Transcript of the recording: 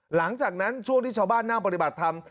หลังจากนั้นช่วงที่ชาวบ้านนั่งปฏิบัติธรรม